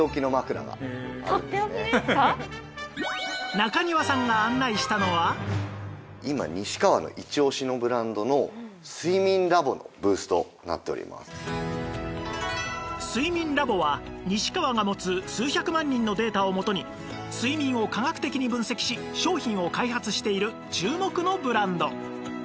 中庭さんが睡眠 Ｌａｂｏ は西川が持つ数百万人のデータをもとに睡眠を科学的に分析し商品を開発している注目のブランド